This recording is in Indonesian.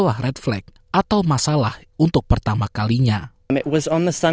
dan kemudian kami mendapatkan pesan pada pukul lima saya akan mengatakan